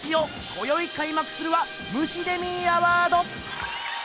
こよいかいまくするはムシデミーアワード！